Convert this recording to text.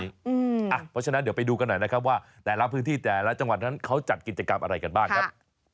เพราะฉะนั้นเดี๋ยวไปดูกันหน่อยนะครับว่าแต่ละพื้นที่แต่ละจังหวัดนั้นเขาจัดกิจกรรมอะไรกันบ้างครับ